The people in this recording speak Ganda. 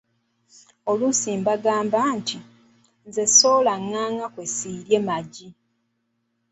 Oluusi ng'agamba nti, "nze ssoola ngaanga kwe ssiirye magi."